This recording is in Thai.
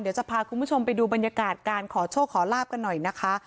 เดี๋ยวจะพาคุณผู้ชมไปดูบรรยากาศการขอโชคขอลาบกันหน่อยนะคะ